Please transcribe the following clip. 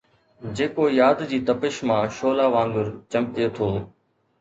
جيڪو ياد جي تپش مان شعلا وانگر چمڪي ٿو